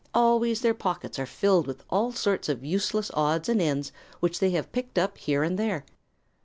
Always their pockets are filled with all sorts of useless odds and ends which they have picked up here and there.